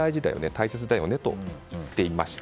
大切だよねと言っていました。